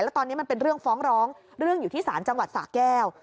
แล้วตอนนี้มันเป็นเรื่องฟ้องร้องเรื่องอยู่ที่ศาลจังหวัดสะแก้ว